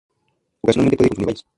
Ocasionalmente puede consumir bayas.